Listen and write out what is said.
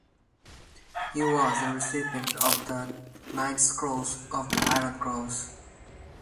He was a recipient of the Knight's Cross of the Iron Cross.